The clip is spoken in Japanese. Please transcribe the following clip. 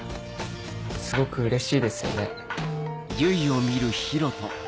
すごくうれしいですよね。